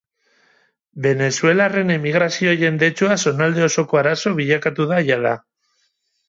Venezuelarren emigrazio jendetsua zonalde osoko arazo bilakatu da jada.